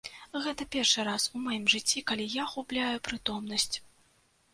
Гэта першы раз у маім жыцці, калі я губляю прытомнасць.